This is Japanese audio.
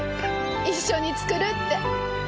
一緒に作るって。